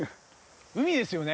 海ですよね。